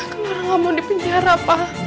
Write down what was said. clara gak mau dipinjar pa